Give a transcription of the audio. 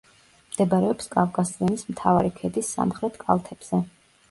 მდებარეობს კავკასიონის მთავარი ქედის სამხრეთ კალთებზე.